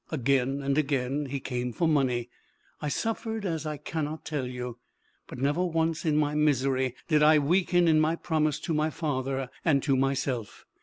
Again and again he came for money; I suffered as I cannot tell you, but never once in my misery did I weaken in my promise to my father and to myself.